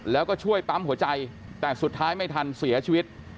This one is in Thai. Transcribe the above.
แล้วก็ช่วยปั๊มหัวใจแต่สุดท้ายไม่ทันเสียชีวิต